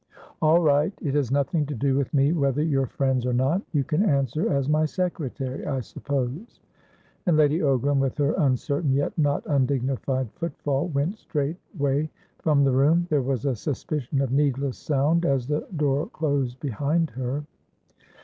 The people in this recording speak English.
"All right. It has nothing to do with me, whether you're friends or not. You can answer as my secretary, I suppose?" And Lady Ogram, with her uncertain, yet not undignified, footfall, went straightway from the room. There was a suspicion of needless sound as the door closed behind her.